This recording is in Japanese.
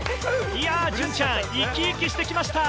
いやぁ、隼ちゃん、生き生きしてきました。